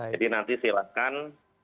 jadi nanti silakan